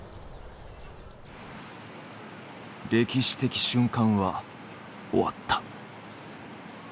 歴史的瞬間は終わった。